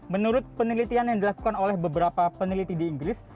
menurut penelitian yang dilakukan oleh beberapa peneliti di inggris